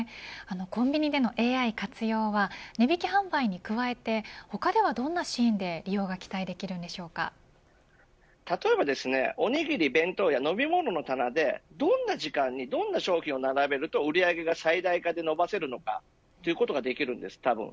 コンビニでのＡＩ活用は値引き販売に加えて他ではどんなシーンで利用が例えばおにぎり、弁当や飲み物の棚でどんな時間にどんな商品を並べると、売り上げが最大化で伸ばせるのかということができるんですたぶん。